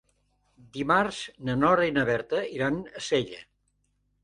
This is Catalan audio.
Dimarts na Nora i na Berta iran a Sella.